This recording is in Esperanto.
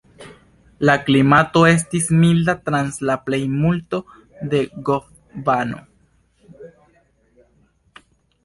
La klimato estis milda trans la plejmulto de Gondvano.